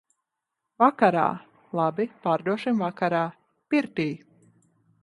-Vakarā! -Labi, pārdosim vakarā. -Pirtī!